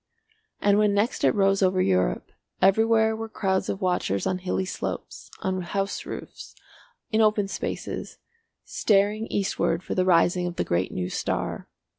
And when next it rose over Europe everywhere were crowds of watchers on hilly slopes, on house roofs, in open spaces, staring eastward for the rising of the great new star.